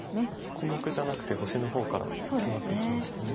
小目じゃなくて星の方からシマっていきました。